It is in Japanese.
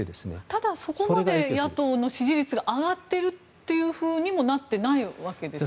ただ、そこまで野党の支持率が上がっているというふうにもなってないわけですよね。